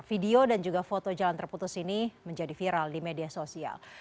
video dan juga foto jalan terputus ini menjadi viral di media sosial